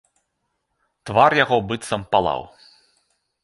Твар яго быццам палаў.